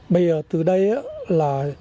bây giờ từ đây là